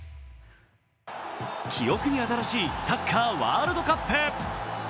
記憶に新しいサッカーワールドカップ。